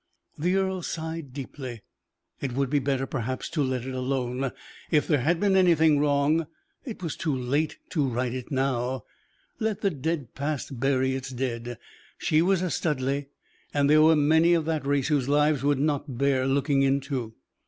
The earl sighed deeply. It would be better, perhaps, to let it alone. If there had been anything wrong, it was too late to right it now. Let the dead past bury its dead. She was a Studleigh, and there were many of that race whose lives would not bear looking into.